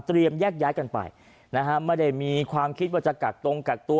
แยกย้ายกันไปนะฮะไม่ได้มีความคิดว่าจะกักตรงกักตัว